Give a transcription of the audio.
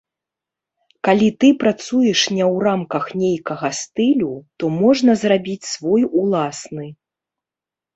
Калі ты працуеш не ў рамках нейкага стылю, то можна зрабіць свой уласны.